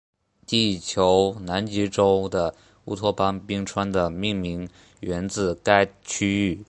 地球南极洲的乌托邦冰川的命名源自该区域。